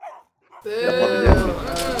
Yapabilir mi?